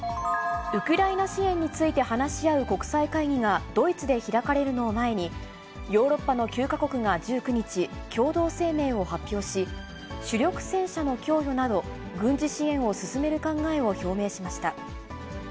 ウクライナ支援について話し合う国際会議がドイツで開かれるのを前に、ヨーロッパの９か国が１９日、共同声明を発表し、主力戦車の供与など、軍事支援を進める考えを表明しました。